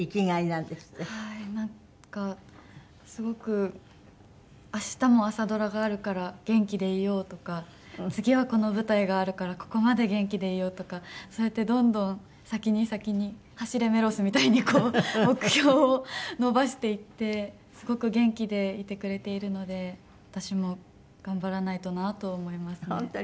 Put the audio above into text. はいなんかすごく明日も朝ドラがあるから元気でいようとか次はこの舞台があるからここまで元気でいようとかそうやってどんどん先に先に『走れメロス』みたいにこう目標を伸ばしていってすごく元気でいてくれているので私も頑張らないとなとは思いますね。